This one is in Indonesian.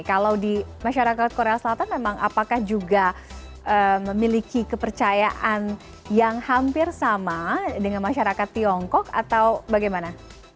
kalau di masyarakat korea selatan memang apakah juga memiliki kepercayaan yang hampir sama dengan masyarakat tiongkok atau bagaimana